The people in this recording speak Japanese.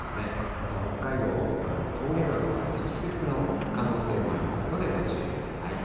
また北海道、峠などは積雪の可能性もありますので、ご注意ください。